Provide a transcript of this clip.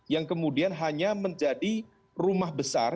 yang kemudian hanya menjadi rumah besar